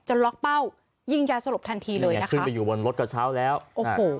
ล็อกเป้ายิงยาสลบทันทีเลยอ่ะนะคะขึ้นไปอยู่บนรถกระเช้าแล้วโอ้โห